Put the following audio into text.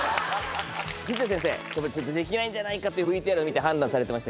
藤田先生できないんじゃないかとＶＴＲ見て判断されてましたけど。